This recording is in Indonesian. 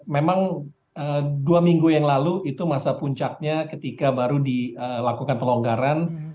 memang dua minggu yang lalu itu masa puncaknya ketika baru dilakukan pelonggaran